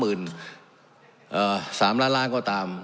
๓ล้านล้านก็ตาม